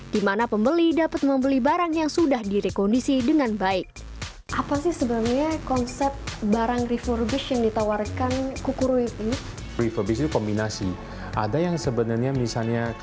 di mana pembeli dapat membeli barang yang sudah direkondisi dengan baik